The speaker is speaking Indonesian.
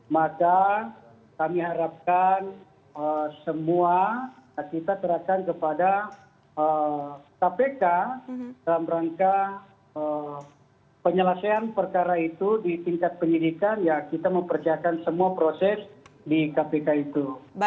maka kami harapkan semua kita serahkan kepada kpk dalam rangka penyelesaian perkara itu di tingkat penyidikan ya kita mempersiapkan semua proses di kpk itu